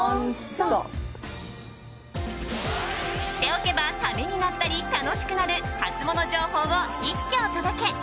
知っておけばためになったり楽しくなるハツモノ情報を一挙お届け。